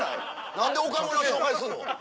何で岡村紹介するの？